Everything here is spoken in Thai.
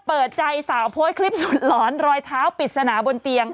เปิดใจสาวโพสต์คลิปสุดหลอนรอยเท้าปริศนาบนเตียง